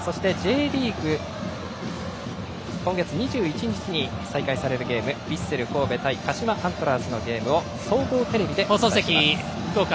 Ｊリーグ、今月２１日に再開されるゲームヴィッセル神戸対鹿島アントラーズの試合を総合テレビで放送します。